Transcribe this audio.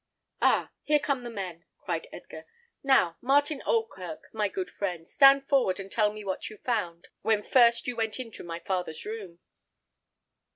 "Ah! here come the men!" cried Edgar. "Now, Martin Oldkirk, my good friend, stand forward and tell me what you found, when first you went into my father's room."